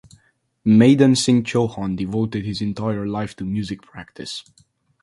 Madan Singh Chauhan devoted his entire life to music practice.